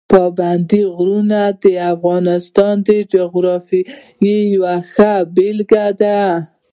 پابندي غرونه د افغانستان د جغرافیې یوه ښه بېلګه ده.